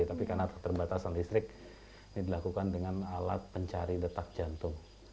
tapi karena keterbatasan listrik ini dilakukan dengan alat pencari detak jantung